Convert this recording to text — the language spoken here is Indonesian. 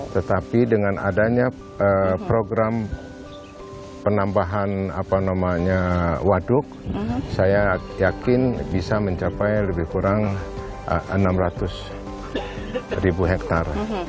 tetapi dengan adanya program penambahan waduk saya yakin bisa mencapai lebih kurang enam ratus ribu hektare